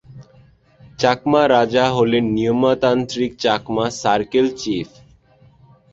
চাকমা রাজা হলেন নিয়মতান্ত্রিক চাকমা সার্কেল চীফ।